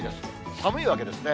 寒いわけですね。